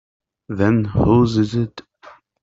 Then whose is it?